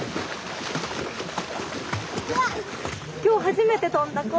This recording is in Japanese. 今日初めて飛んだ子？